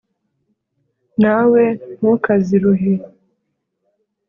Na we ntukaziruhe,